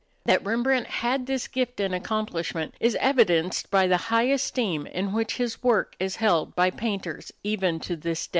That Rembrandt had this gift and accomplishment is evidenced by the high esteem in which his work is held by painters even to this day.